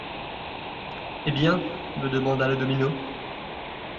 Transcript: Eh bien ! me demanda le domino.